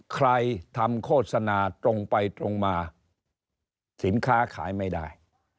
ใครทำโฆษณาตรงไปตรงมาสินค้าขายไม่ได้